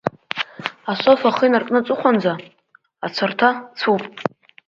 Асоф ахы инаркны аҵыхәанӡа, ацәарҭа цәуп…